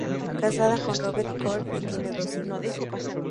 Casada Robert Corn y tiene dos hijos.